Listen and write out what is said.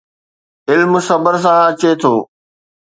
علم صبر سان اچي ٿو